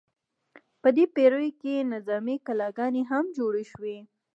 په دې پیړیو کې نظامي کلاګانې هم جوړې شوې.